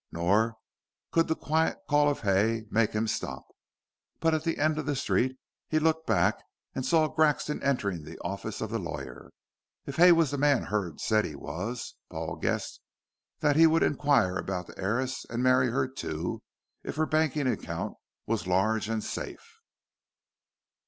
Nor could the quiet call of Hay make him stop. But at the end of the street he looked back, and saw Grexon entering the office of the lawyer. If Hay was the man Hurd said he was, Paul guessed that he would inquire about the heiress and marry her too, if her banking account was large and safe.